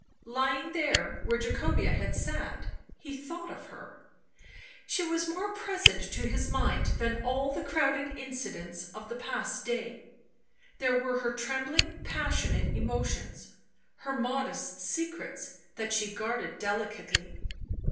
Lying there, where Jacobea had sat, he thought of her ; she was more present to his mind than all the crowded incidents of the past day; there were her trembling passionate emotions, her modest secrets, that she guarded delicately.